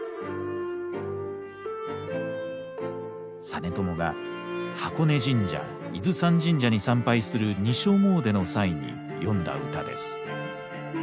実朝が箱根神社伊豆山神社に参拝する二所詣の際に詠んだ歌です。